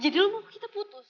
jadi lo mau kita putus